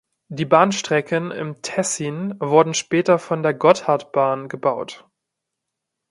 Die Bahnstrecken im Tessin wurden später von der Gotthardbahn gebaut.